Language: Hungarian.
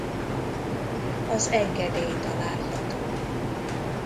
Az engedély található.